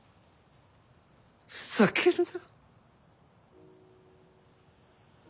ふざけるな！